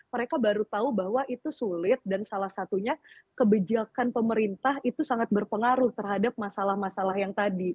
mereka baru tahu bahwa itu sulit dan salah satunya kebijakan pemerintah itu sangat berpengaruh terhadap masalah masalah yang tadi